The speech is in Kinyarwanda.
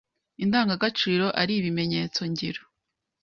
Indangagaciro ari ibimenyetso- ngiro,